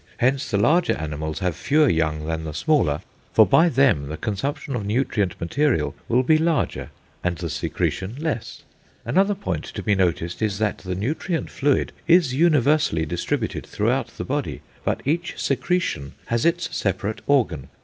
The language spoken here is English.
Hence the larger animals have fewer young than the smaller, for by them the consumption of nutrient material will be larger and the secretion less. Another point to be noticed is, that the nutrient fluid is universally distributed through the body, but each secretion has its separate organ....